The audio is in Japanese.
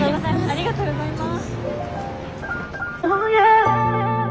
ありがとうございます。